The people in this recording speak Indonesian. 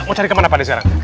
mau cari kemana pak sekarang